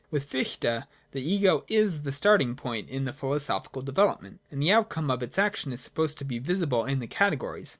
With Fichte, the ' Ego ' is the starting point in the philosophical development : and the outcome of its action is supposed to be visible in the categories.